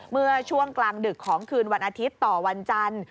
เมื่อช่วงกลางดึกของคืนวันอาทิตย์ต่อวันจันทร์